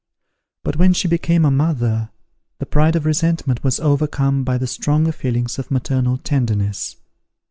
But when she became a mother, the pride of resentment was overcome by the stronger feelings of maternal tenderness.